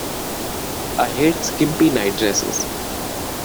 I hate skimpy night-dresses.